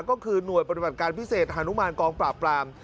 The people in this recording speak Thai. ก็คือหน่วยปฏิบัติการพิเศษฮานุมานกองปราบปราม